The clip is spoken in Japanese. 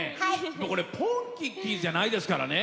「ポンキッキーズ」じゃないですからね。